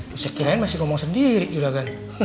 bisa kirain masih ngomong sendiri juragan